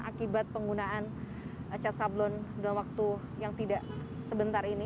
akibat penggunaan cat sablon dalam waktu yang tidak sebentar ini